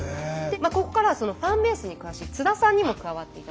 ここからはそのファンベースに詳しい津田さんにも加わって頂きます。